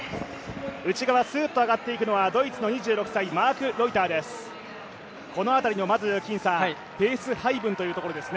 内側、すーっと上がっていくのはドイツの２６歳マーク・ロイターです。